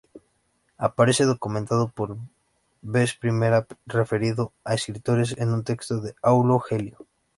Aparece documentado por vez primera referido a escritores en un texto de Aulo Gelio.